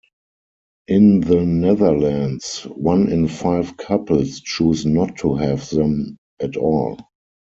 In the Netherlands, one in five couples choose not to have them at all.